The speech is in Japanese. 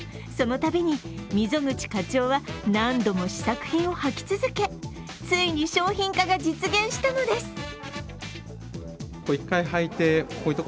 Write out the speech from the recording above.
そのたびに溝口課長は、何度も試作品をはき続け、ついに商品化が実現したのです。